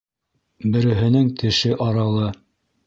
Береһенең теше аралы...